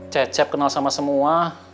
cecep kenal sama semua